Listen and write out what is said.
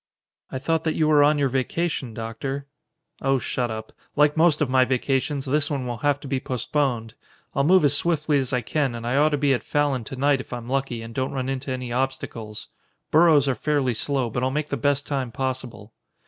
"I thought that you were on your vacation, Doctor." "Oh shut up! Like most of my vacations, this one will have to be postponed. I'll move as swiftly as I can and I ought to be at Fallon to night if I'm lucky and don't run into any obstacles. Burros are fairly slow, but I'll make the best time possible."